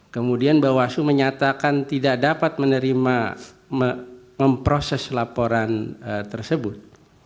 kemudian bawaslu menyatakan tidak dapat menerima memproses laporan tersebut